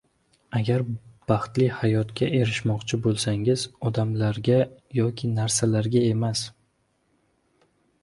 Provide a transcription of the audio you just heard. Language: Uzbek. Agar baxtli hayotga erishmoqchi boʻlsangiz, odamlarga yoki narsalarga emas